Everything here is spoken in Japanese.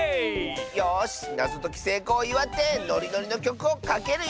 よしなぞときせいこうをいわってノリノリのきょくをかけるよ！